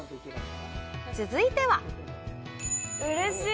続いてはうれしい。